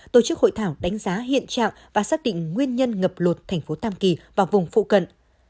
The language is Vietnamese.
tổ chức hội thảo đánh giá hiện trạng và xác định nguyên nhân ngập lụt thành phố tam kỳ và vùng phụ cận